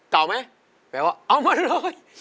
เก่าไหมแปลว่าเอามาเลย